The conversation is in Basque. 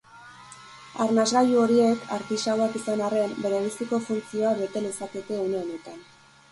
Arnasgailu horiek, artisauak izan arren, berebiziko funtzioa bete lezakete une honetan.